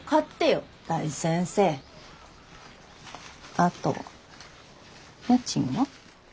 あと家賃は？